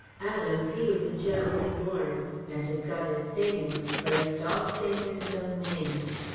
Adam, he was a gentleman born, and had got his savings placed all safe in his own name."